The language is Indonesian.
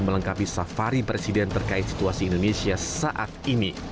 melengkapi safari presiden terkait situasi indonesia saat ini